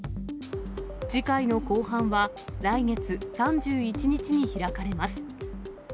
次回の公判は、来月３１日に開かれます。